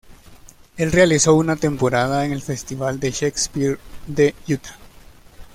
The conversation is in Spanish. Él realizó una temporada en el Festival de Shakespeare de Utah.